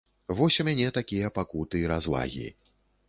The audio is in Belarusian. Вось у мяне такія пакуты і развагі.